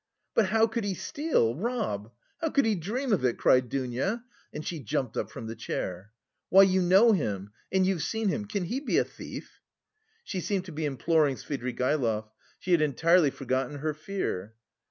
"But how could he steal, rob? How could he dream of it?" cried Dounia, and she jumped up from the chair. "Why, you know him, and you've seen him, can he be a thief?" She seemed to be imploring Svidrigaïlov; she had entirely forgotten her fear.